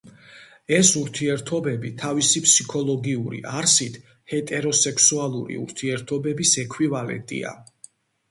ეს ურთიერთობები თავისი ფსიქოლოგიური არსით ჰეტეროსექსუალური ურთიერთობების ექვივალენტია.